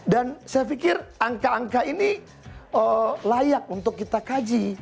dan saya pikir angka angka ini layak untuk kita kaji